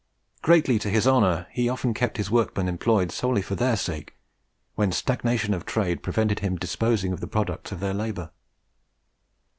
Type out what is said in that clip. Greatly to his honour, he often kept his workmen employed, solely for their sake, when stagnation of trade prevented him disposing of the products of their labour.